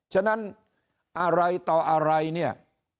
ฉะนั้นอะไรต่ออะไรเนี่ย